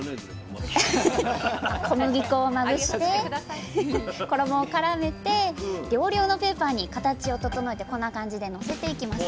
小麦粉をまぶして衣をからめて料理用のペーパーに形を整えてこんな感じでのせていきます。